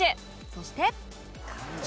そして